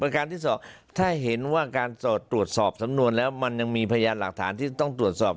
การที่๒ถ้าเห็นว่าการตรวจสอบสำนวนแล้วมันยังมีพยานหลักฐานที่ต้องตรวจสอบ